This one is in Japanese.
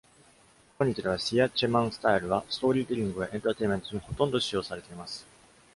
今日では、Siya Cheman スタイルは、ストーリーテリングやエンターテイメントにほとんど使用されています。